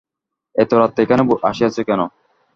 এত রাত্রে এখানে আসিয়াছ কেন?